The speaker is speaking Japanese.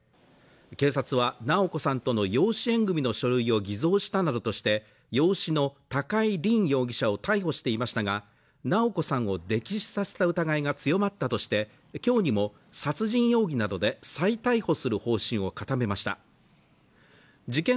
警察は直子さんとの養子縁組の書類を偽造したなどとして養子の高井凜容疑者を逮捕していましたが直子さんを溺死させた疑いが強まったとしてきょうにも殺人容疑などで再逮捕する方針を固めました事件